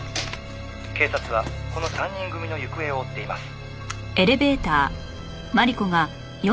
「警察はこの３人組の行方を追っています」